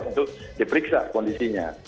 itu diperiksa kondisinya